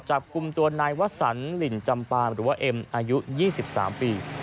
จับกลุ่มตัวนายวสันหลินจำปามหรือว่าเอ็มอายุ๒๓ปี